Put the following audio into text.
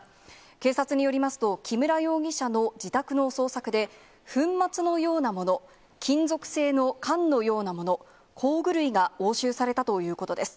警察によりますと、木村容疑者の自宅の捜索で、粉末のようなもの、金属製の管のようなもの、工具類が押収されたということです。